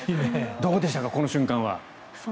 どうでしたかこの瞬間は。